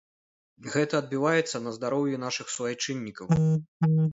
Гэта адбіваецца на здароўі нашых суайчыннікаў.